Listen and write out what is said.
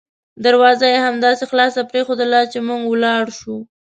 دروازه یې همداسې خلاصه پریښودله چې موږ ولاړ شوو.